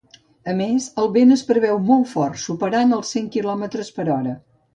A més, el vent es preveu molt fort, superant els cent quilòmetres per hora.